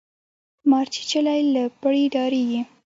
ـ مارچيچلى له پړي ډاريږي.